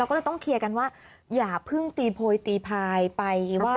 ก็เลยต้องเคลียร์กันว่าอย่าเพิ่งตีโพยตีพายไปว่า